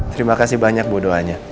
terima kasih banyak bu doanya